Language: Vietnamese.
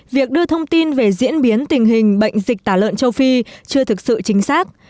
việc đưa thông tin về diễn biến tình hình bệnh dịch tả lợn châu phi chưa thực sự chính xác